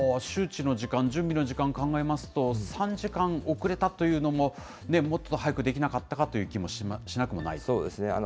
周知の時間、準備の時間考えますと、３時間遅れたというのも、もっと早くできなかったかという気もしなくもないですね。